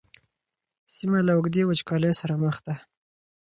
سیمه له اوږدې وچکالۍ سره مخ ده.